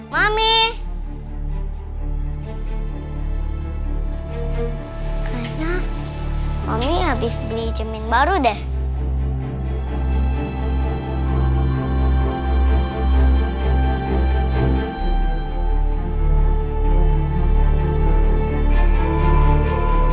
kayaknya mami habis beli jemit baru deh